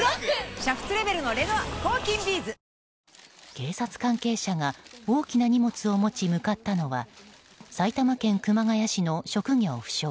警察関係者が大きな荷物を持ち向かったのは埼玉県熊谷市の職業不詳